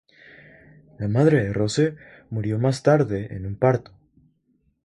La madre de Rose murió más tarde en un parto.